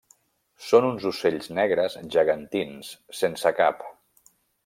Són uns ocells negres gegantins sense cap.